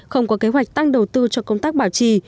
không có kế hoạch tăng đầu tư cho công tác bảo trì